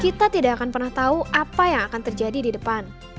kita tidak akan pernah tahu apa yang akan terjadi di depan